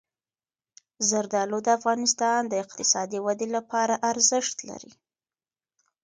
زردالو د افغانستان د اقتصادي ودې لپاره ارزښت لري.